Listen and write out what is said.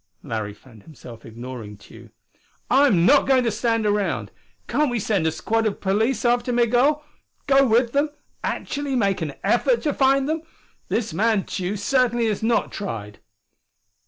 Larry found himself ignoring Tugh. "I'm not going to stand around! Can't we send a squad of police after Migul? go with them actually make an effort to find them? This man Tugh certainly has not tried!"